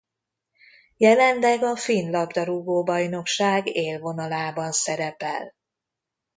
Jelenleg a finn labdarúgó-bajnokság élvonalában szerepel.